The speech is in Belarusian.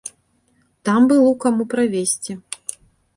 Там было каму правесці.